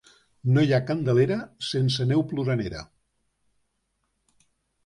No hi ha Candelera sense neu ploranera.